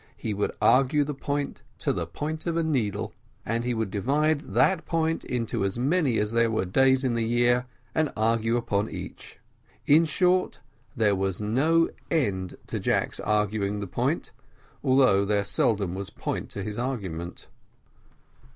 He would argue the point to the point of a needle, and he would divide that point into as many as there were days of the year, and argue upon each. In short, there was no end to Jack's arguing the point, although there seldom was point to his argument.